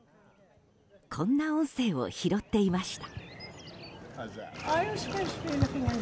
こんな音声を拾っていました。